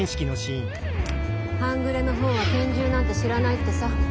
半グレの方は拳銃なんて知らないってさ。